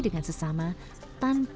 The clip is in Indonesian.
dengan keterbatasaannya yang dimiliki